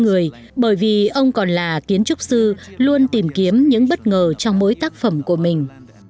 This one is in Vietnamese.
ông không chỉ là một con người bởi vì ông còn là kiến trúc sư luôn tìm kiếm những bất ngờ trong mỗi tác phẩm của mình